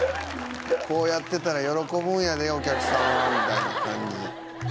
「こうやってたら喜ぶんやでお客さんはみたいな感じ」